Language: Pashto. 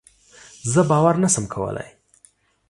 زه باور نشم کولی.